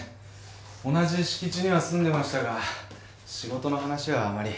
同じ敷地には住んでましたが仕事の話はあまり。